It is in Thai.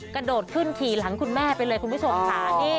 กระโดดขึ้นขี่หลังคุณแม่ไปเลยคุณพี่ส่วนขา